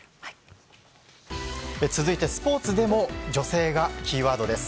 続いて、スポーツでも女性がキーワードです。